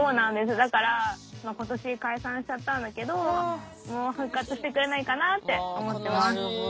だから今年解散しちゃったんだけど復活してくれないかなって思ってます。